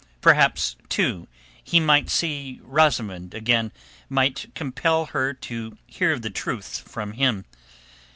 Perhaps, too, he might see Rosamund again, might compel her to hear the truth from him.